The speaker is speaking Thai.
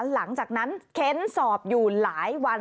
หลังจากนั้นเค้นสอบอยู่หลายวัน